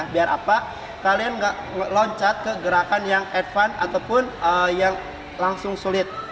biar apa kalian nggak loncat ke gerakan yang advance ataupun yang langsung sulit